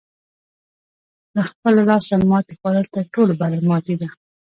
له خپله لاسه ماتې خوړل تر ټولو بده ماتې ده.